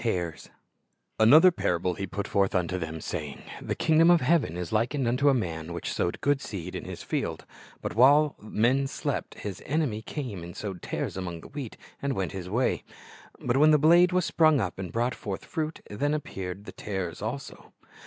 ares A MOTHER parable put He forth unto them, saying, ■'^ The kingdom of heaven is hkened unto a man which sowed good seed in his field; but while men slept, his enemy came and sowed tares among the wheat, and went his way. But when the blade was sprung up, and brought forth fruit, then appeared the tares also."